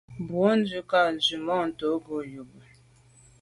Mbwôg ndù kà nzwimàntô ghom yube.